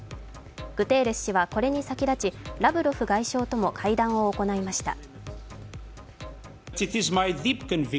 グテーレス氏はこれに先立ちラブロフ外相とも会談を行いました。